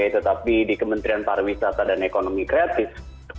tetapi di kementerian pariwisata dan ekonomi kreatif